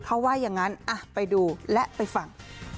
เขาว่าอย่างนั้นไปดูและไปฟัง